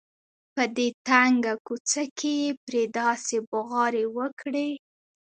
په دې تنګه کوڅه کې یې پرې داسې بغارې وکړې.